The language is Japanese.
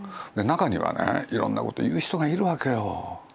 で中にはねいろんな事を言う人がいる訳よ。